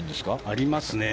ありますね。